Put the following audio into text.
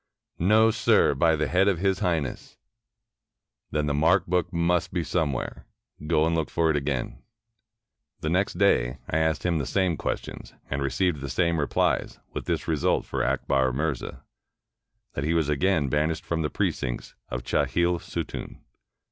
"No, sir, by the head of His Highness." "Then the mark book must be somewhere. Go and look for it again." The next day, I asked him the same questions, and received the same replies, with this result for Akbar Mirza, that he was again banished from the precincts of Chahil Sutun.